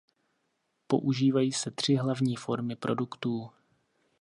Používají se tři hlavní formy produktů.